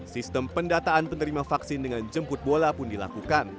sistem pendataan penerima vaksin dengan jemput bola pun dilakukan